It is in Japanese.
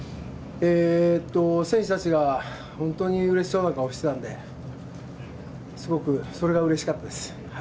選手たちが本当にうれしそうな顔してたんで、すごく、それがうれしかったです。